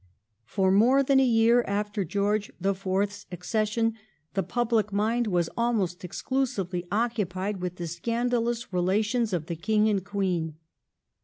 For more than a year after George the Fourth's accession the public mind was almost exclus ively occupied with the scandalous relations of the King and Queen.